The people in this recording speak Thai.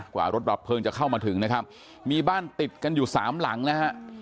กว่ารถดับเพลิงจะเข้ามาถึงนะครับมีบ้านติดกันอยู่สามหลังนะฮะ